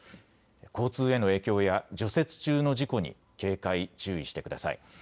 交通への影響や除雪中の事故に警戒、注意してください。